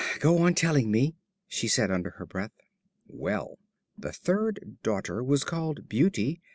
"Go on telling me," she said under her breath. "Well, the third daughter was called Beauty.